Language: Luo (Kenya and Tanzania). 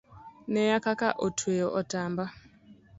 Neye kaka otweyo otamba